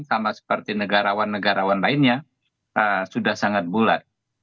sama seperti negarawan negarawan lainnya sudah sangat bulat